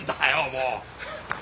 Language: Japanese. もう。